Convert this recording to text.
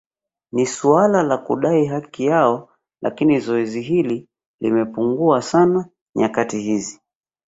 Ni suala la kudai haki yao lakini zoezi hili limepungua sana nyakati hizi